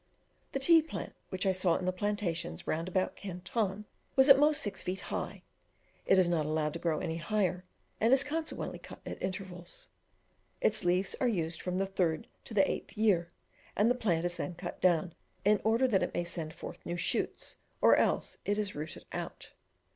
The tea plant, which I saw in the plantations round about Canton, was at most six feet high; it is not allowed to grow any higher, and is consequently cut at intervals. Its leaves are used from the third to the eighth year; and the plant is then cut down, in order that it may send forth new shoots, or else it is rooted out.